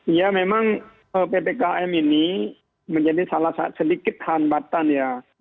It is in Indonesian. iya memang ppkm ini menjadi sedikit hambatan ya